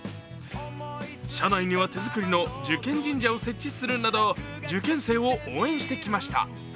社内には手作りの受験神社を設置するなど受験生を応援してきました。